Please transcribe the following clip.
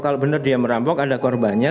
kalau benar dia merampok ada korbannya